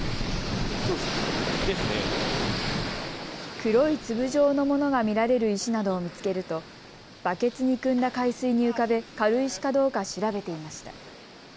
黒い粒状のものが見られる石などを見つけるとバケツにくんだ海水に浮かべ軽石かどうか調べていました。